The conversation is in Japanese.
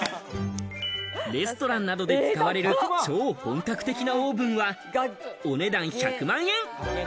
レストランなどで使われる超本格的なオーブンは、お値段１００万円。